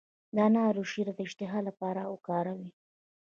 د انار شیره د اشتها لپاره وکاروئ